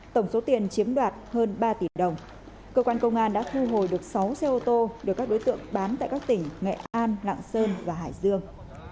tổng số tiền chiếm đoạt hơn ba tỷ đồng cơ quan công an đã thu hồi được sáu xe ô tô được các đối tượng bán tại các tỉnh nghệ an lạng sơn và hải dương